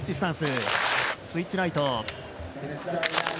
スイッチライト９００。